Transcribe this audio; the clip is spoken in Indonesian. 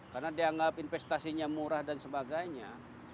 karena dianggap investasinya murah dan sebagainya